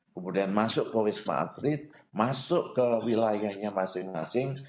kemudian masuk ke wisma atlet masuk ke wilayahnya masing masing